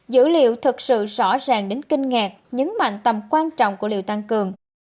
dữ liệu thật sự rõ ràng đến kinh ngạc nhấn mạnh tầm quan trọng của liều tăng cường